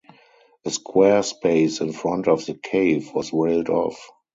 A square space in front of the cave was railed off.